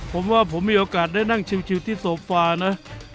ผมว่าผมมีโอกาสได้นั่งชิวที่โซฟานะ